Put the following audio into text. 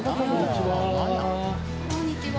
こんにちは。